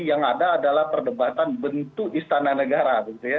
yang ada adalah perdebatan bentuk istana negara